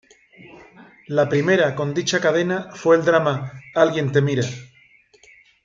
La primera con dicha cadena fue el drama "Alguien te mira".